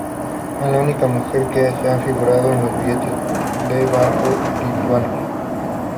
Es la única mujer que ha figurado en los billetes de banco lituanos.